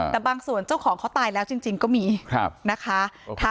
แต่บางส่วนเจ้าของเขาตายแล้วจริงก็มีนะคะ